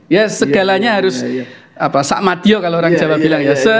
ya segalanya harus sakmatio kalau orang jawa bilang ya